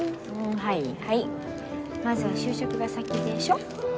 はいはいまずは就職が先でしょ？